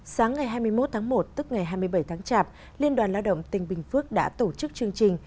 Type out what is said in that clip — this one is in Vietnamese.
sáng ngày hai mươi một tháng một tức ngày hai mươi bảy tháng chạp liên đoàn lao động tỉnh bình phước đã tổ chức chương trình